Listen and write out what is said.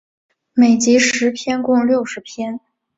每集十篇共六十篇。